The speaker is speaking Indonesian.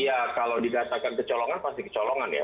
iya kalau didatakan kecolongan pasti kecolongan ya